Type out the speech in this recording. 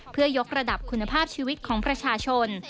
เพื่อยกระดับคุณภาพชีวิตของประชาชน